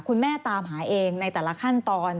คุณแม่ตามหาเองในแต่ละขั้นตอน